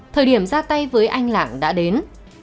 thời điểm ra tay với anh lạng đã đến